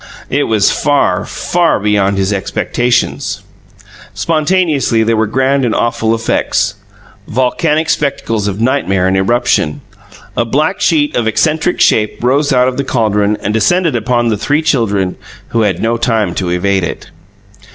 It was far, far beyond his expectations. Spontaneously there were grand and awful effects volcanic spectacles of nightmare and eruption. A black sheet of eccentric shape rose out of the caldron and descended upon the three children, who had no time to evade it.